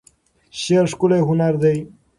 شعر ښکلی هنر دی.